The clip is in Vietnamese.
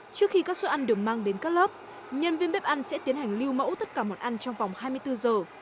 trước khi các suất ăn được mang đến các lớp nhân viên bếp ăn sẽ tiến hành lưu mẫu tất cả món ăn trong vòng hai mươi bốn giờ